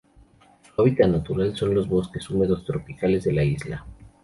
Su hábitat natural son los bosques húmedos tropicales de la isla.